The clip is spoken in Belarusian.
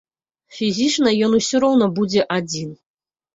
Фізічна ён усё роўна будзе адзін!